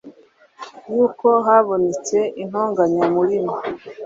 yuko habonetse intonganya muri mwe.”